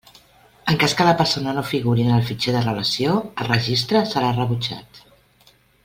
En cas que la persona no figuri en el fitxer de relació, el registre serà rebutjat.